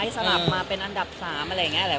สลับมาเป็นอันดับ๓อะไรอย่างนี้แหละ